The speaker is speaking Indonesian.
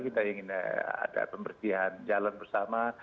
kita ingin ada pembersihan jalan bersama